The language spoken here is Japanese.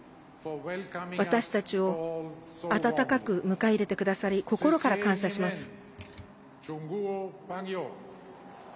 私たちを温かく迎え入れてくださり心から感謝します。